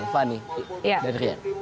fani dan rian